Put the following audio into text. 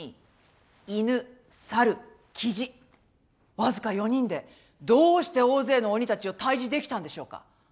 僅か４人でどうして大勢の鬼たちを退治できたんでしょうか。